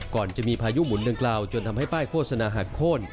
ก่อนจะมีพายุหมุนดังกล่าวจนทำให้ป้ายโฆษณาหักโค้น